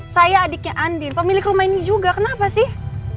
saya adiknya andin pemilik rumah ini juga kenapa sih